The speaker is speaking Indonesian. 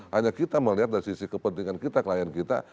hanya kita melihat dari sisi kepentingan kita klien kita